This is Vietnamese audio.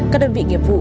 các đơn vị nghiệp vụ